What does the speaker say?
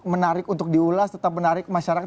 menarik untuk diulas tetap menarik masyarakat